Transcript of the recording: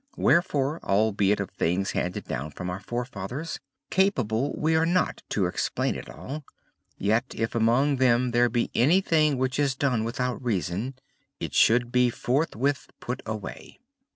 Wherefore albeit of the things handed down from our forefathers, capable we are not to explain all, yet if among them there be any thing which is done without reason it should be forthwith put away.